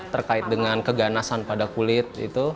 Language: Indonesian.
terkait dengan keganasan pada kulit